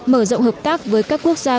mở rộng hợp tác với các quốc gia